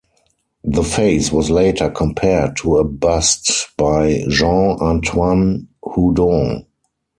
The face was later compared to a bust by Jean-Antoine Houdon.